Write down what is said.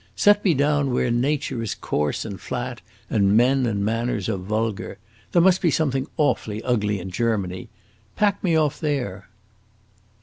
Set me down where nature is coarse and flat, and men and manners are vulgar. There must be something awfully ugly in Germany. Pack me off there!"